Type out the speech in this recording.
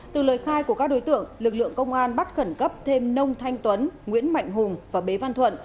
từ lời khai của các đối tượng lực lượng công an bắt khẩn cấp thêm nông thanh tuấn nguyễn mạnh hùng và bế văn thuận